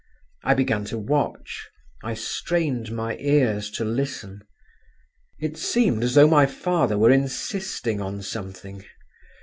I began to watch; I strained my ears to listen. It seemed as though my father were insisting on something.